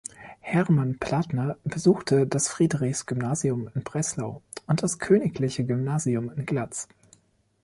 Hermann Plathner besuchte das Friedrichs-Gymnasium in Breslau und das königliche Gymnasium in Glatz.